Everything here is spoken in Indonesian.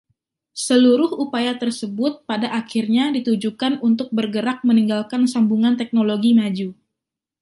Seluruh upaya tersebut pada akhirnya ditujukan untuk bergerak meninggalkan sambungan teknologi maju.